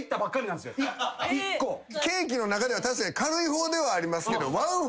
ケーキの中では確かに軽い方ではありますけど。